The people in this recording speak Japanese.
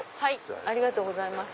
ありがとうございます。